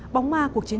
bóng ma cuộc chiến